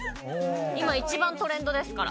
今一番トレンドですから。